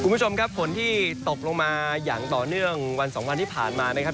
คุณผู้ชมครับฝนที่ตกลงมาอย่างต่อเนื่องวันสองวันที่ผ่านมานะครับ